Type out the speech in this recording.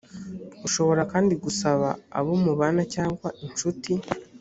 ushobora kandi gusaba abo mubana cyangwa incuti.